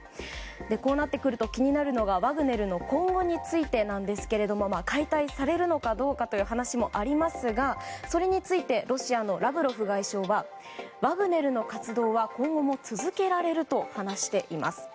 こうなってくると気になるのがワグネルの今後についてなんですが解体されるのかどうかという話もありますがそれについてロシアのラブロフ外相はワグネルの活動は今後も続けられると話します。